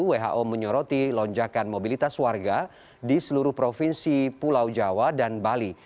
who menyoroti lonjakan mobilitas warga di seluruh provinsi pulau jawa dan bali